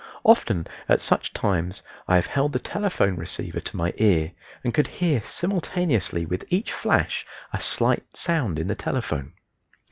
Often at such times I have held the telephone receiver to my ear and could hear simultaneously with each flash a slight sound in the telephone.